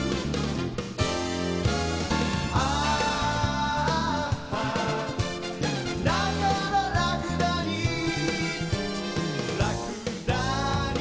「あーだからラクダにラクダになるのだ」